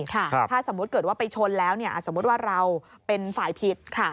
ถ้าสมมุติเกิดว่าไปชนแล้วสมมุติว่าเราเป็นฝ่ายผิด